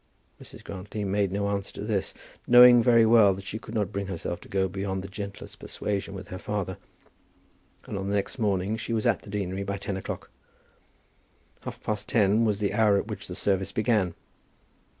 Mrs. Grantly made no answer to this, knowing very well that she could not bring herself to go beyond the gentlest persuasion with her father, and on the next morning she was at the deanery by ten o'clock. Half past ten was the hour at which the service began.